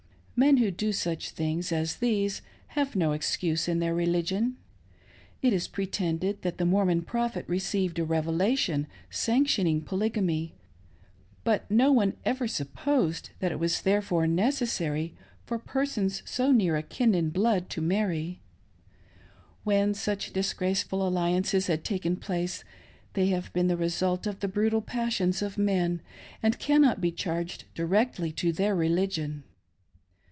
Men who do such things as these have no excuse in their religion. It is pretended that the Mormon Prophet received a Revelation sanctioning Polygamy, but no one ever supposed that it was therefore necessary for persons so near, akin in blood to marry ; when such disgraceful alliances have taken place they have been the result of the brutal passions of men, and cannot be charged directly to their religion.